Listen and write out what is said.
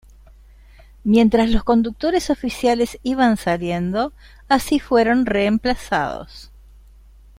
Mientras los conductores oficiales iban saliendo, así fueron reemplazados.